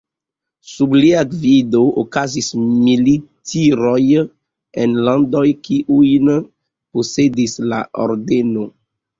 Sub lia gvido okazis militiroj en landoj kiujn posedis la ordeno.